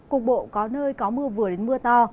cục bộ có nơi có mưa vừa đến mưa to